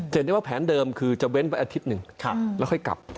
เห็นได้ว่าแผนเดิมคือจะเว้นไปอาทิตย์หนึ่งแล้วค่อยกลับ